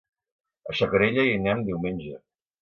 A Xacarella hi anem diumenge.